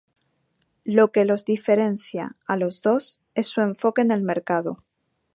Lo que los diferencia a los dos es su enfoque en el mercado.